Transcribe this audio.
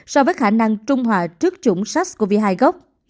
so với khả năng trung hòa trước chủng sars cov hai gốc